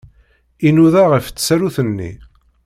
Inuda ɣef tsarut-nni.